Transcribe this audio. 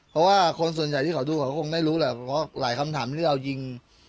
เพราะว่าคนส่วนใหญ่ที่เขาดูเขาคงไม่รู้แหละเพราะหลายคำถามที่เอายิง